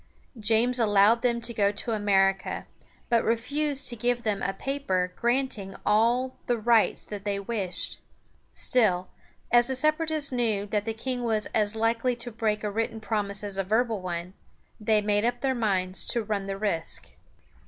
James allowed them to go to America, but refused to give them a paper granting all the rights they wished. Still, as the Separatists knew that the king was as likely to break a written promise as a verbal one, they made up their minds to run the risk.